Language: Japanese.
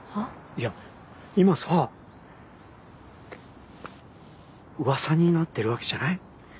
いや今さうわさになってるわけじゃない？